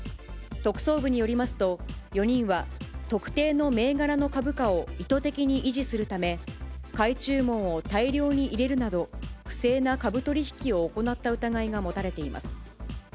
特捜部によりますと、４人は特定の銘柄の株価を意図的に維持するため、買い注文を大量に入れるなど、不正な株取り引きを行った疑いが持たれています。